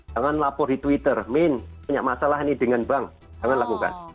jangan lapor di twitter min punya masalah ini dengan bank jangan lakukan